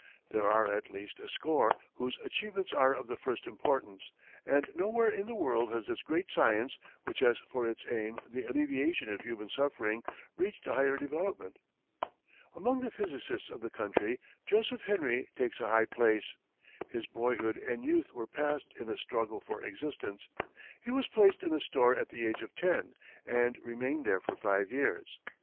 There are at least a score whose achievements are of the first importance, and nowhere in the world has this great science, which has for its aim the alleviation of human suffering, reached a higher development. Among the physicists of the country, Joseph Henry takes a high place. His boyhood and youth were passed in a struggle for existence. He was placed in a store at the age of ten, and remained there for five years.